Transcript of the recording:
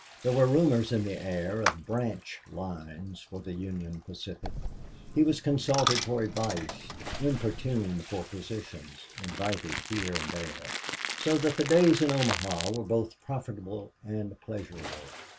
There were rumors in the air of branch lines for the Union Pacific. He was consulted for advice, importuned for positions, invited here and there. So that the days in Omaha were both profitable and pleasurable.